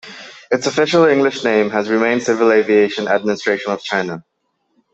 Its official English name has remained Civil Aviation Administration of China.